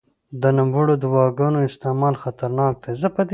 د نوموړو دواګانو استعمال خطرناک دی.